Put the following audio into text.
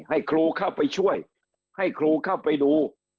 ให้ครูเข้าไปช่วยให้ครูเข้าไปดู